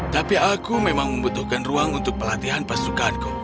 tapi aku memang membutuhkan ruang untuk pelatihan pasukanku